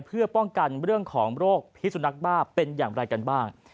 เพื่อป้องกันเรื่องของโรคพิสุนักบ้าเป็นอย่างไรกันบ้าง